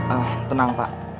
ah tenang pak